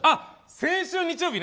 先週の日曜日ね。